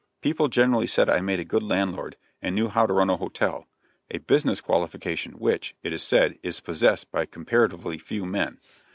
People generally said I made a good landlord, and knew how to run a hotel a business qualification which, it is said, is possessed by comparatively few men.